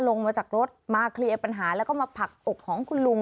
ลงมาจากรถมาเคลียร์ปัญหาแล้วก็มาผลักอกของคุณลุง